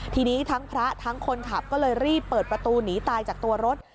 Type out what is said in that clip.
ทีนี้ทั้งพระทั้งคนขับก็เลยรีบเปิดประตูหนีตายจากตัวรถ